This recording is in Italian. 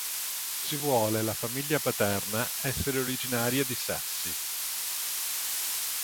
Si vuole la famiglia paterna essere originaria di Sassi.